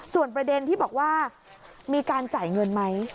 ส่วนประเด็นที่บอกว่ามีการจ่ายเงินไหม